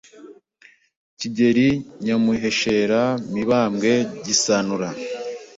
Kigeri Nyamuheshera Mibambwe Gisanura